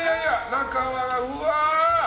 中は、うわー！